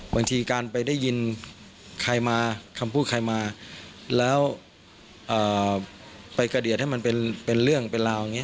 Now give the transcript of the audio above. บางทีการไปได้ยินใครมาคำพูดใครมาแล้วไปกระเดียดให้มันเป็นเรื่องเป็นราวอย่างนี้